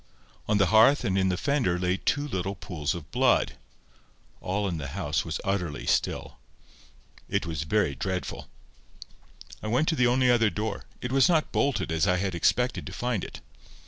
On the hearth and in the fender lay two little pools of blood. All in the house was utterly still. It was very dreadful. I went to the only other door. It was not bolted as I had expected to find it.